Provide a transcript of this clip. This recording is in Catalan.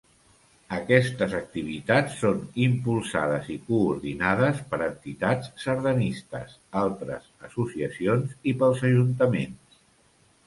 Aquestes activitats són impulsades i coordinades per entitats sardanistes, altres associacions i pels Ajuntaments.